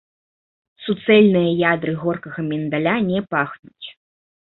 Суцэльныя ядры горкага міндаля не пахнуць.